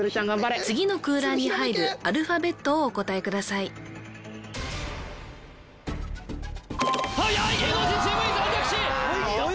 次の空欄に入るアルファベットをお答えくださいはやい！